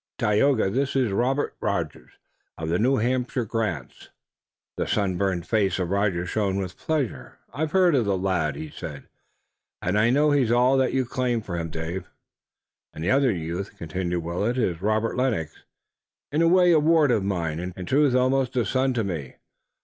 Tayoga, this is Robert Rogers of the New Hampshire grants." The sunburnt face of Rogers shone with pleasure. "I've heard of the lad," he said, "and I know he's all that you claim for him, Dave." "And the other youth," continued Willet, "is Robert Lennox, in a way a ward of mine, in truth almost a son to me.